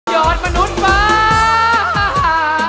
อดมนุษย์ว้า